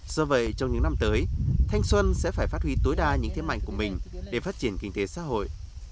do vậy trong những năm tới thanh xuân sẽ phải phát huy tối đa những thế mạnh của mình để phát triển kinh tế xã hội